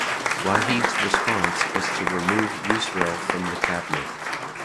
Wahid's response was to remove Yusril from the Cabinet.